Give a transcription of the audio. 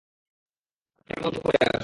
ওটা বন্ধ করে আসো।